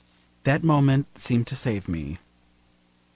That moment seemed to save me.